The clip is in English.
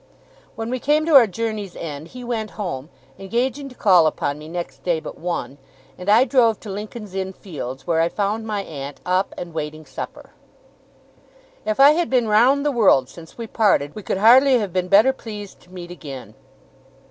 When we came to our journey's end, he went home, engaging to call upon me next day but one; and I drove to Lincoln's Inn Fields, where I found my aunt up, and waiting supper. If I had been round the world since we parted, we could hardly have been better pleased to meet again.